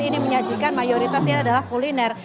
ini menyajikan mayoritasnya adalah kuliner